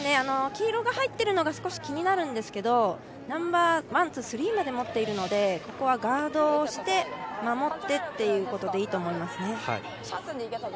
黄色が入っているのが少し気になるんですけれども、ナンバーワン、ツー、スリーまで持っているので、ここはガードをして守ってということでいいと思いますね。